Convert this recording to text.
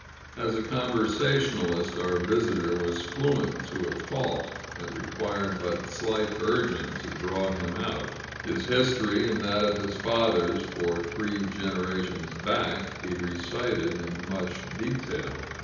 As a conversationist, our visitor was fluent to a fault. It required but slight urging to draw him out. His history, and that of his fathers for three generations back, he recited in much detail.